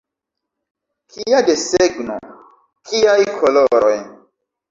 Kia desegno, kiaj koloroj!